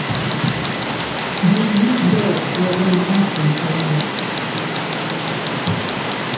These weak yers were then often elided.